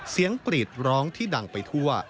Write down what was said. กรีดร้องที่ดังไปทั่ว